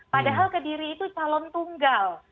padahal kediri itu calon tunggal